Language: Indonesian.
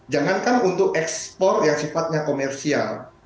jangankan untuk ekspor yang sifatnya komersial